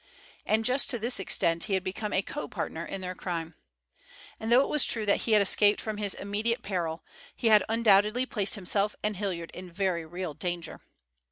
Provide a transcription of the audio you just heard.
And just to this extent he had become a co partner in their crime. And though it was true that he had escaped from his immediate peril, he had undoubtedly placed himself and Hilliard in very real danger.